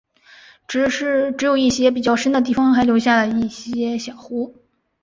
只有一些比较深的地方还留下了一些小湖。